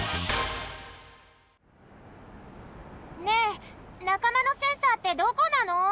ねえなかまのセンサーってどこなの？